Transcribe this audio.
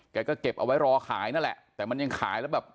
แกก็เก็บเอาไว้รอขายนั่นแหละแต่มันยังขายแล้วแบบ